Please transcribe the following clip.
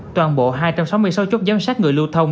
toàn bộ hai trăm sáu mươi sáu chốt giám sát người lưu thông